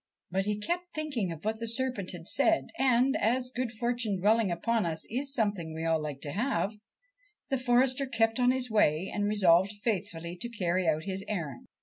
But he kept thinking of what the serpent had said, and, as good fortune dwelling upon us is something we all like to have, the forester kept on his way and resolved faithfully to carry out his errand.